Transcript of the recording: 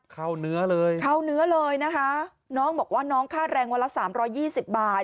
เนื้อเลยเข้าเนื้อเลยนะคะน้องบอกว่าน้องค่าแรงวันละสามร้อยยี่สิบบาท